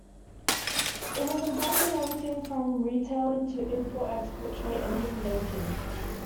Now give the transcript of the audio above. It was involved in everything from retailing to import-export trade and even baking.